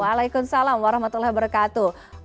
waalaikumsalam warahmatullahi wabarakatuh